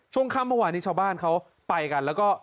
ช่วงคัมพรรณนี้ชาวบ้านเขาไปกัน